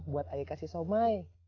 buat ayah kasih somai